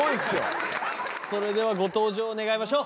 それではご登場願いましょう。